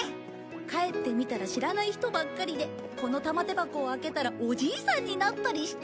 帰ってみたら知らない人ばっかりでこの玉手箱を開けたらおじいさんになったりして。